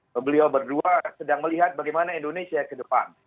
beliau berdua sedang melihat bagaimana indonesia ke depan